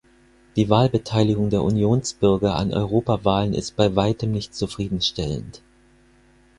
Die Wahlbeteiligung der Unionsbürger an Europawahlen ist bei weitem nicht zufrieden stellend.